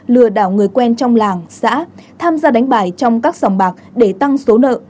lừa đảo người quen trong làng xã tham gia đánh bài trong các sòng bạc để tăng số nợ